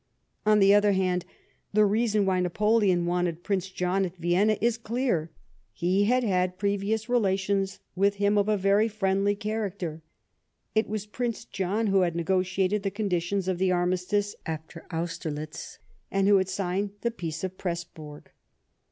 On the other hand, the reason why Napoleon wanted Prince John at Vienna is clear. ]Ie had had previous relations with him of a very friendly character ; it was Prince John who had negotiated the con ditions of the armistice after Austerlitz, and who had signed THE PEACE OF VIENNA. 61 the Peace of Pressburg.